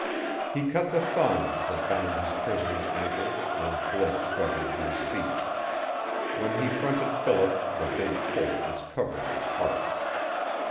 He cut the thongs that bound his prisoner's ankles and Blake struggled to his feet. When he fronted Philip the big Colt was covering his heart.